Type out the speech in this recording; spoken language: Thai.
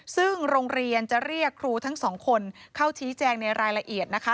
ซึ่งโรงเรียนจะเรียกครูทั้งสองคนเข้าชี้แจงในรายละเอียดนะคะ